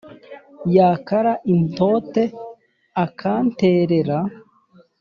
yakara intote akanterera